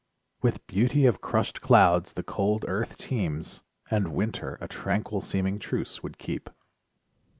With beauty of crushed clouds the cold earth teems, And winter a tranquil seeming truce would keep.